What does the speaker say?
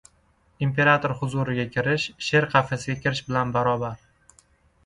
• Imperator huzuriga kirish sher qafasiga kirish bilan barobar.